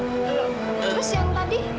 terus yang tadi